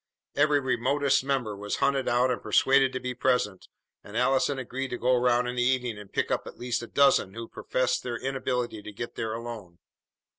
Every remotest member was hunted out and persuaded to be present, and Allison agreed to go around in the evening and pick up at least a dozen who had professed their inability to get there alone.